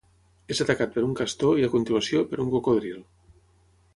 És atacat per un castor i a continuació, per un cocodril.